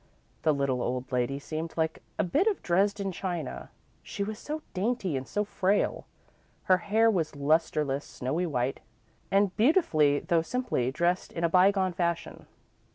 The little old lady seemed like a bit of Dresden china; she was so dainty and so frail. Her hair was lustreless, snowy white, and beautifully, though simply, dressed in a bygone fashion.